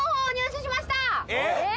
えっ？